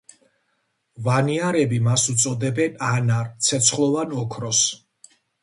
ვანიარები მას უწოდებდნენ ანარ, ცეცხლოვან ოქროს.